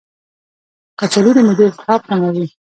کچالو د معدې التهاب کموي.